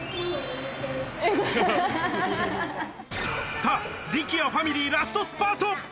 さぁ、力也ファミリー、ラストスパート！